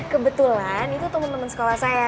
kebetulan itu temen temen sekolah saya